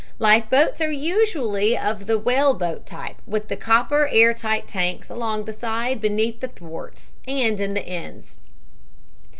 Life boats are usually of the whaleboat type, with copper air tight tanks along the side beneath the thwarts, and in the ends.